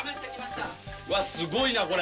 うわっ、すごいな、これ。